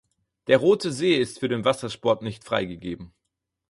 Der Rote See ist für den Wassersport nicht freigegeben.